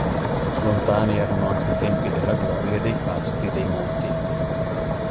Lontani erano anche i tempi della gloria e dei fasti dei monti.